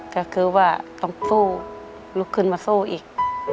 ก็คือว่าต้องสู้ลุกขึ้นมาสู้อีก